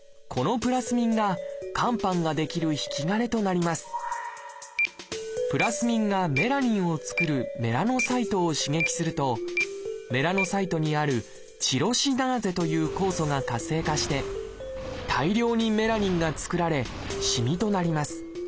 プラスミンがメラニンを作るメラノサイトを刺激するとメラノサイトにある「チロシナーゼ」という酵素が活性化して大量にメラニンが作られしみとなります。